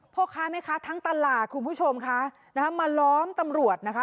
พ่อค้าแม่ค้าทั้งตลาดคุณผู้ชมค่ะนะคะมาล้อมตำรวจนะคะ